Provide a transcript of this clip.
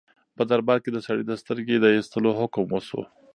په دربار کې د سړي د سترګې د ایستلو حکم وشو.